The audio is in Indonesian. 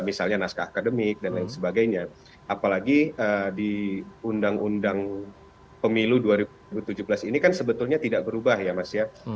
misalnya naskah akademik dan lain sebagainya apalagi di undang undang pemilu dua ribu tujuh belas ini kan sebetulnya tidak berubah ya mas ya